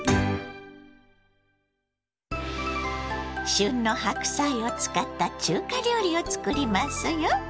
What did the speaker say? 旬の白菜を使った中華料理を作りますよ。